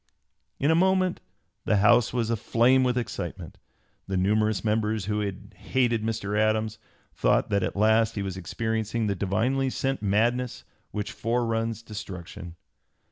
In a moment the House was aflame with excitement. The numerous members who hated Mr. Adams thought that at last he was experiencing the divinely sent madness which foreruns destruction.